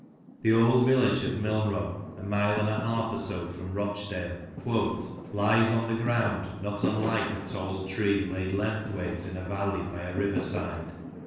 The old village of Milnrow, a mile and a half or so from Rochdale, " lies on the ground not unlike a tall tree laid lengthwise, in a valley, by a river side.